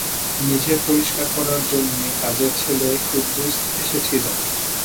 মেঝে পরিষ্কার করার জন্যে কাজের ছেলে কুদ্দুস এসেছিল।